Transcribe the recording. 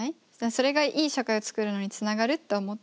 それがいい社会を作るのにつながると思ってて。